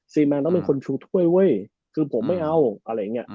แมนต้องเป็นคนชูถ้วยเว้ยคือผมไม่เอาอะไรอย่างเงี้ย